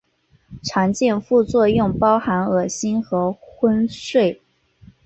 常见副作用包含恶心和昏睡。